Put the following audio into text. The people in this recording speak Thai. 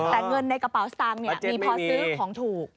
แต่เงินในกระเป๋าสตางค์มีพอซื้อของถูก